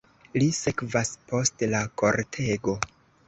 Li sekvas post la kortego.